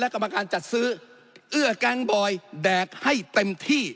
กรรมการจัดซื้อเอื้อแก๊งบอยแดกให้เต็มที่